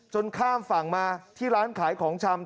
ข้ามฝั่งมาที่ร้านขายของชำ